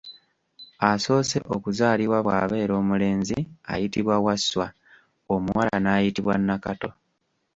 Asoose okuzaalibwa bw’abeera omulenzi ayitibwa Wasswa, omuwala n’ayitibwa Nakato.